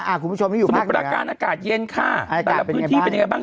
อ่าคุณผู้ชมนี่อยู่ภาคหนึ่งค่ะสมมุติประการอากาศเย็นค่ะอาจารย์เป็นยังไงบ้าง